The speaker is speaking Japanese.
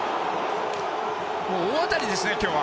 もう大当たりですね、今日は！